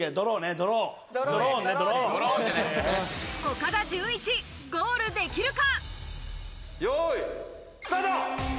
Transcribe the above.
岡田准一、ゴールできるか？